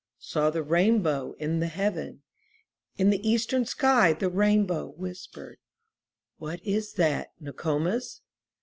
Saw the rainbow in the heaven. In the eastern sky, the rainbow, Whispered, ''What is that, Nok6mis?